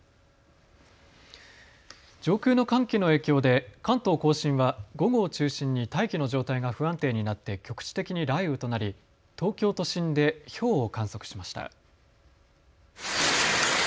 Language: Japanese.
上空の寒気の影響で関東甲信は午後を中心に大気の状態が不安定になって局地的に雷雨となり東京都心でひょうを観測しました。